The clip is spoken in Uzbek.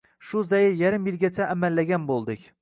Shu zayl yarim yilgacha amallagan bo‘ldik.